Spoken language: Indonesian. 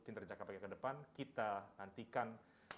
kinerja kpk ke depan kita nantikan